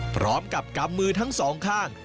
พร้อมกับกำมือทั้งสองข้าง